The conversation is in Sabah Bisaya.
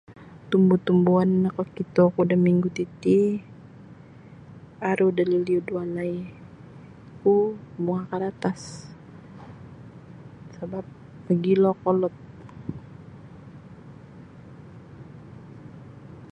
Tumbu-tumbuan nakakito ku da minggu titi aru da liliud walai ku bunga karatas sabab magilo kolod.